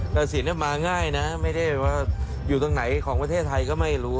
ตัดสินมาง่ายนะไม่ได้ว่าอยู่ตรงไหนของประเทศไทยก็ไม่รู้